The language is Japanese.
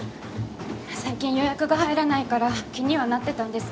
最近予約が入らないから気にはなってたんですけど。